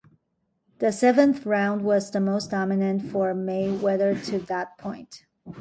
The seventh round was the most dominant for Mayweather to that point.